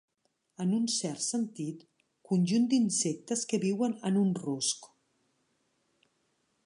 En un cert sentit, conjunt d'insectes que viuen en un rusc.